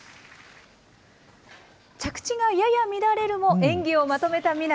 着地がやや乱れるも、演技をまとめた南。